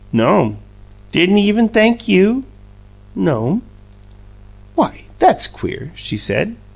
"No'm." "Didn't he even thank you?" "No'm." "Why, that's queer," she said.